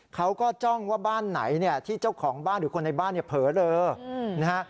เขาก็จ้องว่าบ้านไหนที่เจ้าของบ้านหรือคนในบ้านเผลอเลย